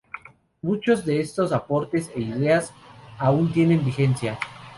Muchos de sus aportes e ideas aún tienen vigencia.